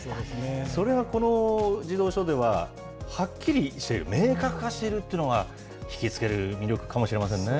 それがこの児童書では、はっきりしてる、明確化してるというのが、引き付ける魅力かもしれませんね。